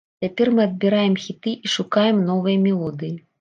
Цяпер мы адбіраем хіты і шукаем новыя мелодыі.